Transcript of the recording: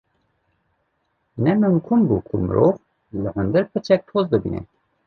’’Ne mimkun bû ku mirov li hundir piçek toz bibîne.